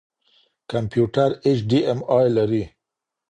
کمپيوټر اېچ ډياېم آى لري.